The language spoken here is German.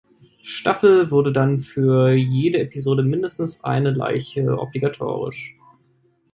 Staffel wurde dann für jede Episode mindestens eine Leiche obligatorisch.